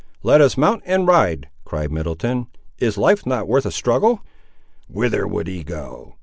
"Let us mount and ride," cried Middleton; "is life not worth a struggle?" "Whither would ye go?